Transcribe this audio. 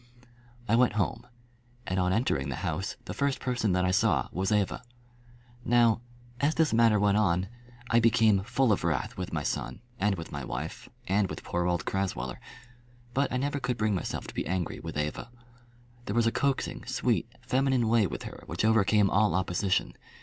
I went home, and on entering the house the first person that I saw was Eva. Now, as this matter went on, I became full of wrath with my son, and with my wife, and with poor old Crasweller; but I never could bring myself to be angry with Eva. There was a coaxing, sweet, feminine way with her which overcame all opposition.